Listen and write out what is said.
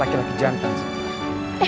laki laki jantan sih